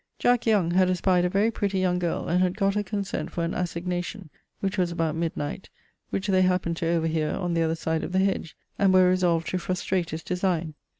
Jack Young had espied a very pretty young girle, and had gott her consent for an assignation, which was about midnight, which they happened to overheare on the other side of the hedge, and were resolved to frustrate his designe.